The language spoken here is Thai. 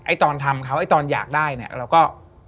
ไอ้ตอนทำเขาไอ้ตอนอยากได้เราก็